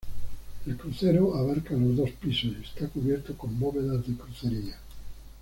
El crucero abarca los dos pisos y está cubierto con bóvedas de crucería.